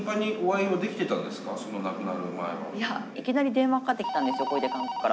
いきなり電話かかってきたんですよ小出監督から。